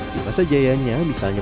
di masa jayanya misalnya